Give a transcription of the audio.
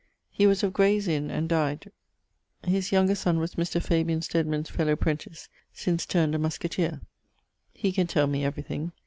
He was of Graye's Inne, and dyed.... His yonger sonne was Mr. Stedman's fellow prentice; since turned a musquetere. He can tell me everything.